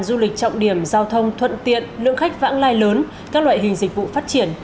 du lịch trọng điểm giao thông thuận tiện lượng khách vãng lai lớn các loại hình dịch vụ phát triển